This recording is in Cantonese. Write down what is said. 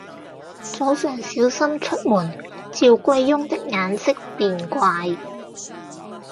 早上小心出門，趙貴翁的眼色便怪：